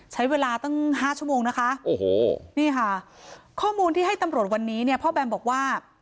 ใช้เวลาตั้ง๕ชั่วโมงนะคะข้อมูลที่ให้ตำรวจวันนี้พ่อแบมบอกว่า